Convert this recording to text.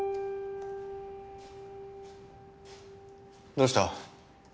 どうした？